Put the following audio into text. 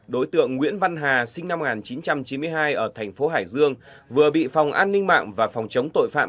đối tượng nguyễn văn hà sinh năm một nghìn chín trăm chín mươi hai ở thành phố hải dương vừa bị phòng an ninh mạng và phòng chống tội phạm